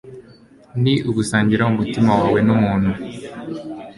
ni ugusangira umutima wawe numuntu